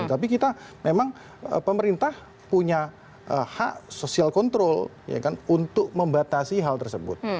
tapi kita memang pemerintah punya hak sosial kontrol untuk membatasi hal tersebut